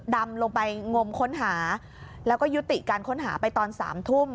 ดำลงไปงมค้นหาแล้วก็ยุติการค้นหาไปตอน๓ทุ่ม